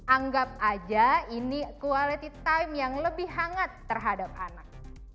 anggap aja ini quality time yang lebih hangat terhadap anak